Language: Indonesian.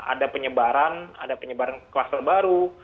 ada penyebaran ada penyebaran kluster baru